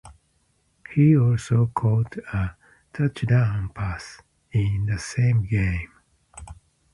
He also caught a touchdown pass in the same game.